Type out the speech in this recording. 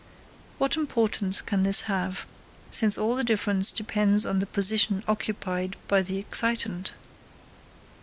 What importance can this have, since all the difference depends on the position occupied by the excitant?